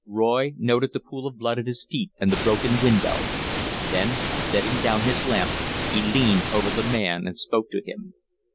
Roy noted the pool of blood at his feet and the broken window; then, setting down his lamp, he leaned over the man and spoke to him.